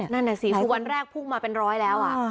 นั่นน่ะสิคือวันแรกพุ่งมาเป็นร้อยแล้ว